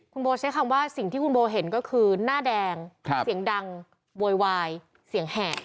คุณโบใช้คำว่าสิ่งที่คุณโบเห็นก็คือหน้าแดงเสียงดังโวยวายเสียงแหบ